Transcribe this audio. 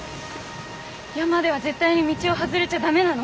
山では絶対に道を外れちゃ駄目なの。